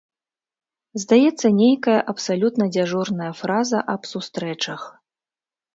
Здаецца, нейкая абсалютна дзяжурная фраза аб сустрэчах.